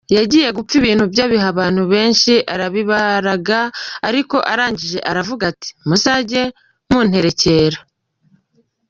Yagiye gupfa ibintu bye abiha abantu benshi arabibaraga ariko arangije aravuga ati ‘Muzajye munterekera.